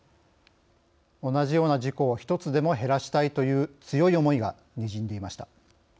同じような事故を１つでも減らしたいという強い思いがにじんでいました。